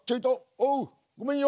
おうごめんよ！